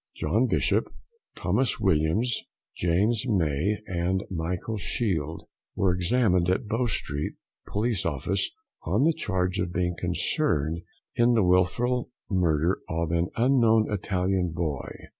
John Bishop, Thomas Williams, James May, and Michael Shield, were examined at Bow Street Police Office on the charge of being concerned in the wilful murder of an unknown Italian boy.